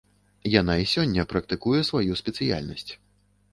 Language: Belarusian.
Яна і сёння практыкуе сваю спецыяльнасць.